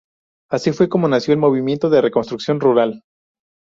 Así fue como nació el Movimiento de Reconstrucción Rural.